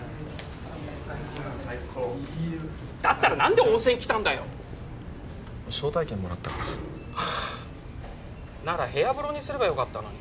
最高だったら何で温泉来たんだよ招待券もらったからなら部屋風呂にすればよかったのに